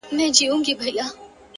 o ستا هغه رنگين تصوير؛